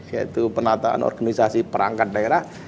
yaitu penataan organisasi perangkat daerah